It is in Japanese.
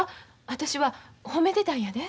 私は褒めてたんやで。